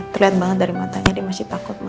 terlihat banget dari matanya dia masih takut